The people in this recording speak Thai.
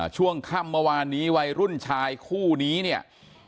ช่วงค่ำเมื่อวานนี้วัยรุ่นชายคู่นี้เนี่ย